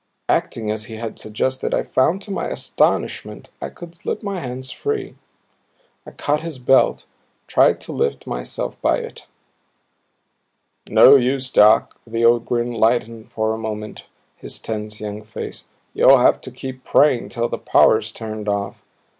Acting as he had suggested I found to my astonishment I could slip my hands free; I caught his belt, tried to lift myself by it. "No use, Doc." The old grin lightened for a moment his tense young face. "You'll have to keep praying till the power's turned off.